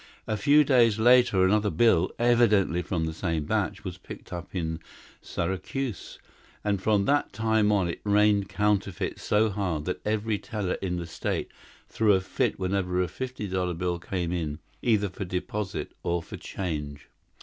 A few days later another bill, evidently from the same batch, was picked up in Syracuse, and from that time on it rained counterfeits so hard that every teller in the state threw a fit whenever a fifty dollar bill came in, either for deposit or for change.